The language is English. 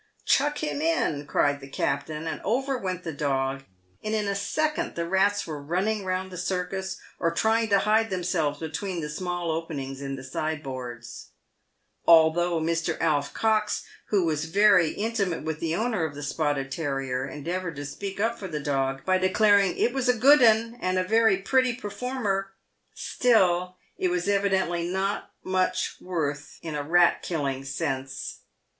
" Chuck him in," cried the captain ; and over went the dog, and in a second the rats were running round the circus, or trying to hide themselves between the small openings in the sideboards. Although Mr. Alf Cox, who was very intimate with the owner of the spotted terrier, endeavoured to speak up for the dog, by declaring " it was a good 'un, and a very pretty performer," still it was evi dently not much worth in a rat killing sense.